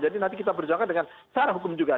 jadi nanti kita berjuangkan dengan cara hukum juga